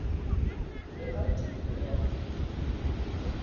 Ayɣer i tt-id-tuɣeḍ?